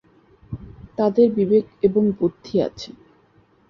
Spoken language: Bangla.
তাঁদের বিবেক এবং বুদ্ধি আছে;